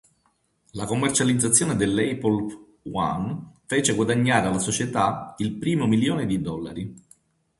La commercializzazione dell'Apple I fece guadagnare alla società il primo milione di dollari.